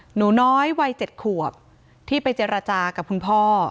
หนูน้อยวัย๗ขวบที่ไปเจรจากับคุณพ่อ